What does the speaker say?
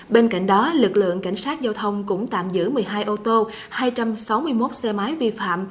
bên cạnh đó lực lượng cảnh sát giao thông cũng tạm giữ một mươi hai ô tô hai trăm sáu mươi một xe máy vi phạm